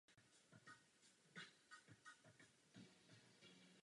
Domácí tenista Andy Murray byl na Turnaji mistrů poprvé v pozici nejvýše nasazeného hráče.